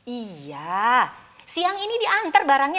iya siang ini diantar barangnya